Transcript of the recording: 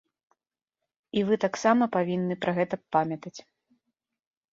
І вы таксама павінны пра гэта памятаць.